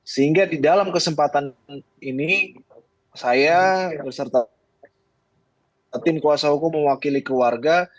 sehingga di dalam kesempatan ini saya beserta tim kuasa hukum mewakili keluarga